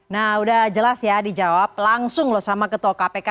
nah udah jelas ya dijawab langsung loh sama ketua kpk